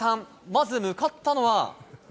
まず向かったのは。